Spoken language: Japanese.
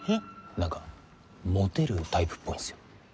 何かモテるタイプっぽいんすよ。